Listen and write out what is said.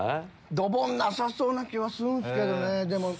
ドボンなさそうな気はするんすけどね。